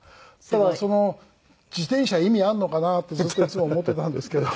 だからその自転車意味あるのかな？ってずっといつも思ってたんですけど。